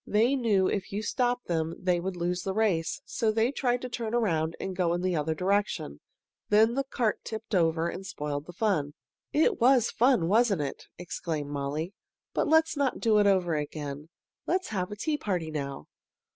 They knew if you stopped them they would lose the race, so they tried to turn around and go in the other direction. Then the cart tipped over and spoiled the fun." "It was fun, wasn't it?" exclaimed Molly. "But let's not do it over again. Let's have a tea party now."